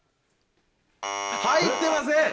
入ってません！